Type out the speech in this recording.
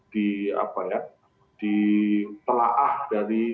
di telahah dari